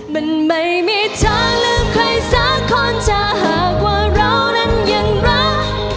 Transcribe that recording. มันไม่มีทางลืมใครซะคนจะหากว่าเรานั้นยังรัก